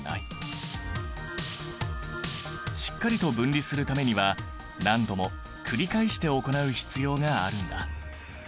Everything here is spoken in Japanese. しっかりと分離するためには何度も繰り返して行う必要があるんだ。